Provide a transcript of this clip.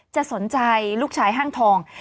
จะสนใจลูกชายห้างทอง